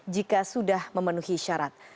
jika sudah memenuhi syarat